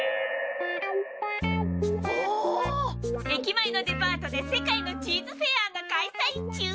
駅前のデパートで世界のチーズフェアが開催チュー。